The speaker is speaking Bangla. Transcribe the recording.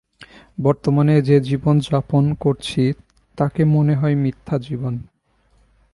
বর্তমানে যে জীবন যাপন করছি, তাকে মনে হয় মিথ্যা জীবন।